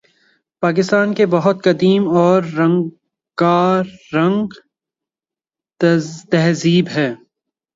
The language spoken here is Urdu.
پاکستان کی بہت قدیم اور رنگارنگ تہذیب ہے